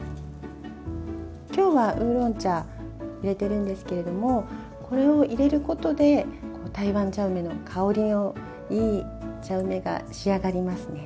きょうはウーロン茶入れてるんですけれどもこれを入れることで台湾茶梅の香りのいい茶梅が仕上がりますね。